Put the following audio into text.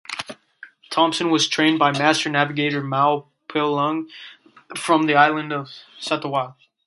Thompson was trained by master navigator Mau Piailug from the island of Satawal.